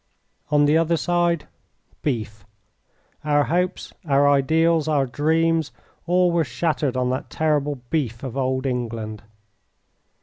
On the other side, beef. Our hopes, our ideals, our dreams all were shattered on that terrible beef of Old England.